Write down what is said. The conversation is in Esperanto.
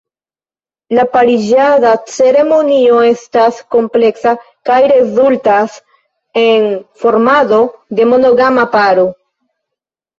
La pariĝada ceremonio estas kompleksa kaj rezultas en formado de monogama paro.